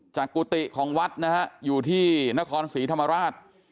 กุฏิของวัดนะฮะอยู่ที่นครศรีธรรมราช